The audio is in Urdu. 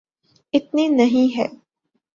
اتنی نہیں ہے۔